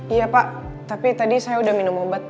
iya pak tapi tadi saya udah minum obat